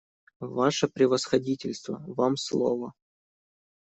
Ваше Превосходительство, вам слово.